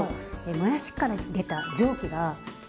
もやしから出た蒸気が対流して。